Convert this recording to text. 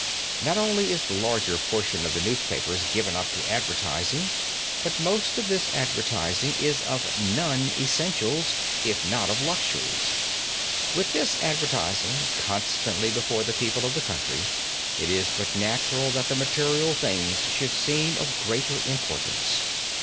Not only is the larger portion of the newspapers given up to advertising, but most of this advertising is of non essentials, if not of luxuries. With this advertising constantly before the people of the country, it is but natural that the material things should seem of greatest importance.